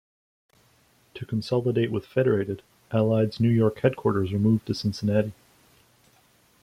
To consolidate with Federated, Allied's New York headquarters moved to Cincinnati.